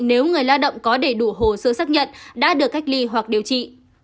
nếu người lao động có đầy đủ hồ sơ xác nhận đã được cách ly hoặc điều trị